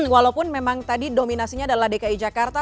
walaupun memang tadi dominasinya adalah dki jakarta